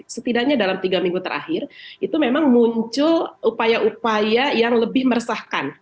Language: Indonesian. setidaknya dalam tiga minggu terakhir itu memang muncul upaya upaya yang lebih meresahkan